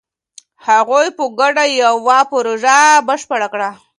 هغوی په ګډه یوه پروژه بشپړه کړه.